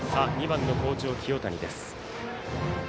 ２番の好調、清谷です。